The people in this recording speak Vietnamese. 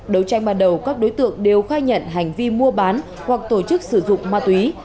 đấu tranh ban đầu các đối tượng đều khai nhận hành vi mua bán hoặc tổ chức sử dụng ma túy